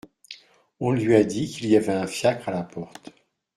On lui a dit qu'il y avait un fiacre à la porte.